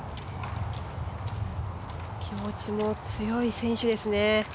気持ちも強い選手ですね。